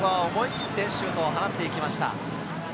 思い切ってシュートを放っていきました。